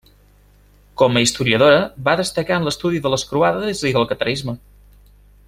Com a historiadora va destacar en l'estudi de les Croades i del catarisme.